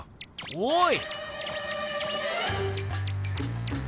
おい！